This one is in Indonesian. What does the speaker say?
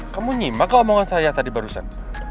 kamu nyimak omongan saya tadi barusan